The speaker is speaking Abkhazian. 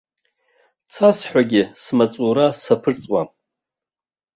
Цасҳәагьы смаҵура саԥырҵуам.